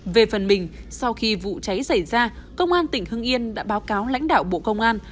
về phần mình sau khi vụ cháy xảy ra công an tỉnh hưng yên đã báo cáo lãnh đạo bộ công an